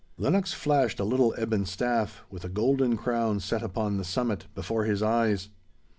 Lennox flashed a little ebon staff, with a golden crown set upon the summit, before his eyes.